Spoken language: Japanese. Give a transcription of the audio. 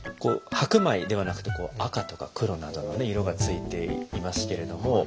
白米ではなくて赤とか黒などの色がついていますけれども。